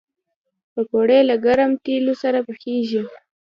پکورې له ګرم تیلو سره پخېږي